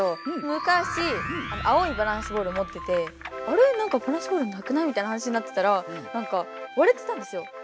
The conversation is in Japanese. むかし青いバランスボールをもっててあれなんかバランスボールなくない？みたいな話になってたらなんかわれてたんですよ。